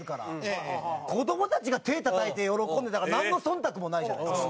子どもたちが手たたいて喜んでたからなんの忖度もないじゃないですか。